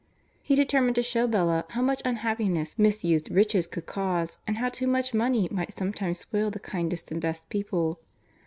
He determined to show Bella how much unhappiness misused riches could cause, and how too much money might sometimes spoil the kindest and best people.